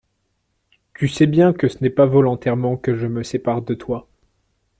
Tu sais bien que ce n'est pas volontairement que je me sépare de toi.